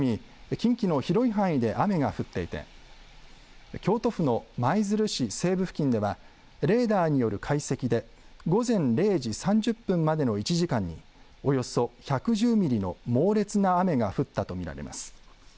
近畿の広い範囲で雨が降っていて京都府の舞鶴市西部付近ではレーダーによる解析で午前０時３０分までの１時間におよそ１１０ミリの猛烈な雨が降ったと見られます。